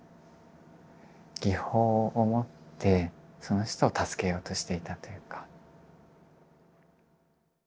技法をもってその人を助けようとしていたというか。